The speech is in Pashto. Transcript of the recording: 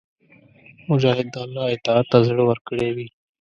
مجاهد د الله اطاعت ته زړه ورکړی وي.